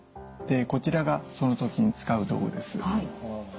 こちらがその時に使う道具です。